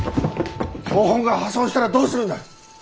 標本が破損したらどうするんだ！？